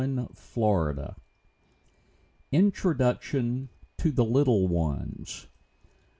... 91 * INTRODUCTION TO THE LITTLE ONES.